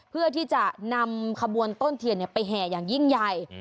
เพื่อที่จะนำขบวนต้นเทียนไปแห่อย่างยิ่งใหญ่